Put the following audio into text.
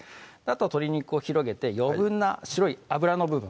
あとは鶏肉を広げて余分な白い脂の部分